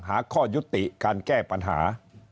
หาข้อยุติการแก้ปัญหา